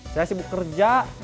saya sibuk kerja